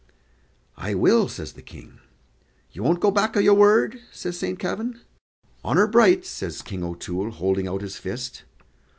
"I will," says the King. "You won't go back o' your word?" says Saint Kavin. "Honor bright!" says King O'Toole, holding out his fist.